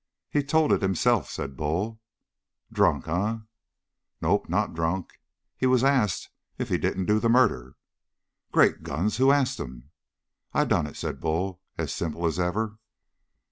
"He told it himself," said Bull. "Drunk, en?" "Nope. Not drunk. He was asked if he didn't do the murder." "Great guns! Who asked him?" "I done it," said Bull as simply as ever.